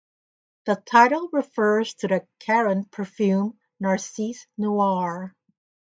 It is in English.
The title refers to the Caron perfume "Narcisse Noir".